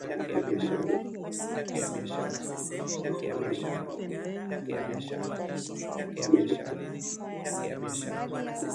Walishambulia kambi za jeshi la taifa la jamuhuri ya kidemokrasia ya Kongo za Tchanzu na Runyonyi, usiku wa tarehe ishirini na saba na ishirini na nane mwezi Machi